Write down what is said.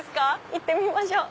行ってみましょう。